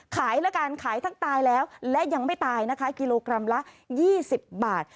ละกันขายทั้งตายแล้วและยังไม่ตายนะคะกิโลกรัมละ๒๐บาท